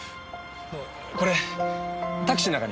あのこれタクシーの中に。